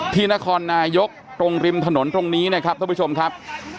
ที่นครนายกตรงริมถนนตรงนี้นะครับท่านผู้ชมครับ